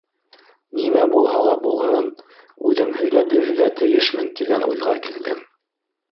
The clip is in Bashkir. Нимә булһа ла булһын, үҙем һөйләп бирергә тейешмен, тигән уйға килдем.